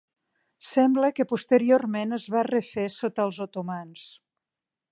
Sembla que posteriorment es va refer sota els otomans.